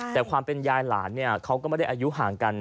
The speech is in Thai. แต่ความเป็นยายหลานเนี่ยเขาก็ไม่ได้อายุห่างกัน